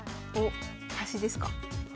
おっ端ですか。